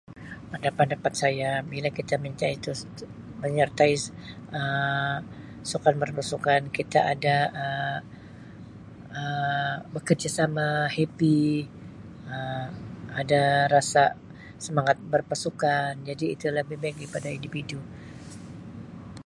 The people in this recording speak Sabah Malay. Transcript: Pada pendapat saya bila kita [unintelligible] itu menyertai Um sukan berpasukan kita ada Um bekerjasama happy Um ada rasa semangat berpasukan jadi itu lebih baik daripada individu.